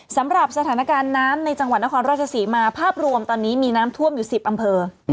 สำหรับสถานการณ์น้ำในจังหวัดนครราชศรีมาภาพรวมตอนนี้มีน้ำท่วมอยู่๑๐อำเภอ